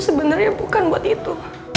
sebenernya bukan buat itu